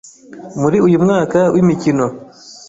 muri uyu mwaka w’ imikino.